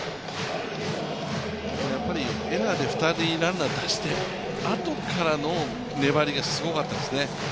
エラーで２人ランナー出してあとからの粘りがすごかったですね。